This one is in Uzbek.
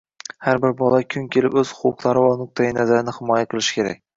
Har bir bola kun kelib o‘z huquqlari va nuqtai nazarini himoya qilishi kerak.